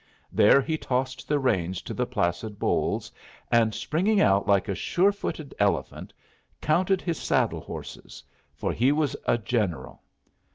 There he tossed the reins to the placid Bolles, and springing out like a surefooted elephant, counted his saddle horses; for he was a general.